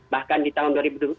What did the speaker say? bahkan di tahun dua ribu dua puluh